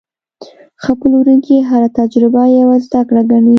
ښه پلورونکی هره تجربه یوه زده کړه ګڼي.